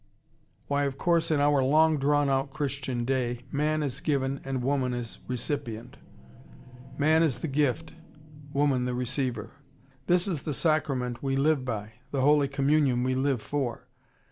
Why, of course, in our long drawn out Christian day, man is given and woman is recipient. Man is the gift, woman the receiver. This is the sacrament we live by; the holy Communion we live for.